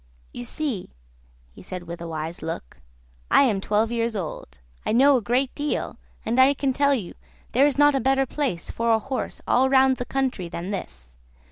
You see," he said, with a wise look, "I am twelve years old; I know a great deal, and I can tell you there is not a better place for a horse all round the country than this.